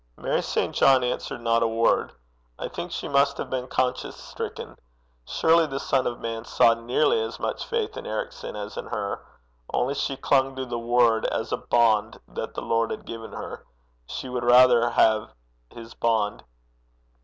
Mary St. John answered not a word. I think she must have been conscience stricken. Surely the Son of Man saw nearly as much faith in Ericson as in her. Only she clung to the word as a bond that the Lord had given her: she would rather have his bond.